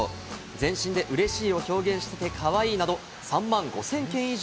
全身で嬉しいを表現していて、かわいいなど３万５０００件以上